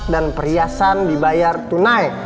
dan perhiasan dibayar tunai